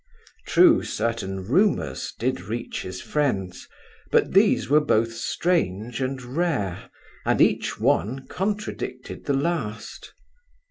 True, certain rumours did reach his friends, but these were both strange and rare, and each one contradicted the last.